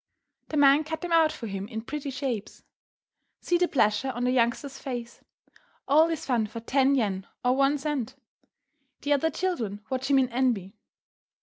The man cut them out for him in pretty shapes. See the pleasure on the youngster's face! All this fun for ten yen, or one cent. The other children watch him in envy.